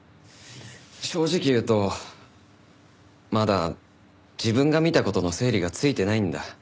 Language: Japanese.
正直言うとまだ自分が見た事の整理がついてないんだ。